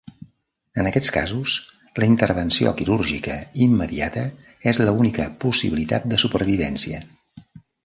En aquests casos, la intervenció quirúrgica immediata és l'única possibilitat de supervivència.